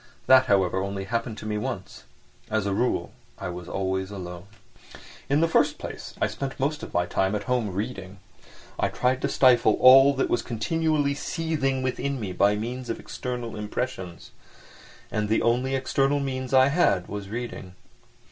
That, however, only happened to me once. As a rule, I was always alone. In the first place I spent most of my time at home, reading. I tried to stifle all that was continually seething within me by means of external impressions. And the only external means I had was reading.